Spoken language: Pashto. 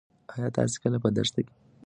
ایا تاسې کله په دښته کې ګرځېدلي یاست؟